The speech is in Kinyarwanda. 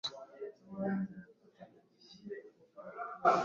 Ni ko bimeze rwose